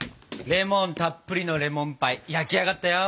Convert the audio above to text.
レモンたっぷりのレモンパイ焼き上がったよ！